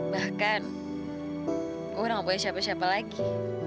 bahkan gue udah gak boleh siapa siapa lagi